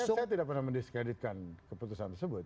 saya tidak pernah mendiskreditkan keputusan tersebut